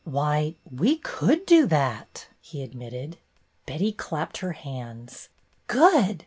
"Why, we could do that," he admitted. Betty clapped her hands. "Good!